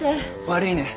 悪いね。